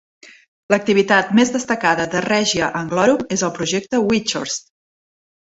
L'activitat més destacada de Règia Anglorum és el Projecte Wychurst.